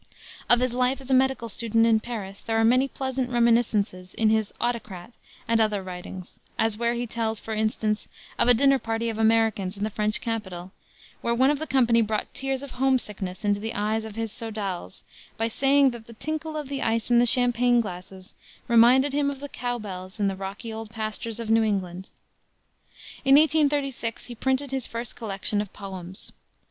Of his life as a medical student in Paris there are many pleasant reminiscences in his Autocrat and other writings, as where he tells, for instance, of a dinner party of Americans in the French capital, where one of the company brought tears of home sickness into the eyes of his sodales by saying that the tinkle of the ice in the champagne glasses reminded him of the cowbells in the rocky old pastures of New England. In 1836 he printed his first collection of poems.